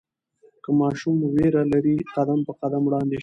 که ماشوم ویره لري، قدم په قدم وړاندې شئ.